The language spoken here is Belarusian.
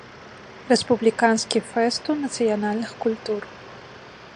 Рэспубліканскі фэсту нацыянальных культур.